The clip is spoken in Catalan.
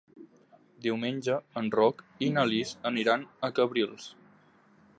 Diumenge en Roc i na Lis aniran a Cabrils.